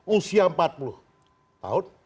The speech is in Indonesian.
usia empat puluh tahun